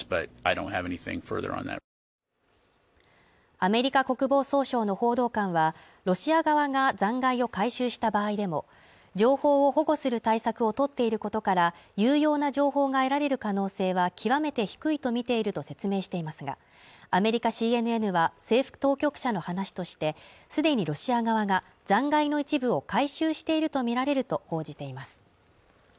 アメリカ国防総省の報道官はロシア側が残骸を回収した場合でも情報を保護する対策をとっていることから、有用な情報が得られる可能性は極めて低いとみていると説明していますが、アメリカＣＮＮは政府当局者の話として既にロシア側が残骸の一部を回収しているとみられると報じています。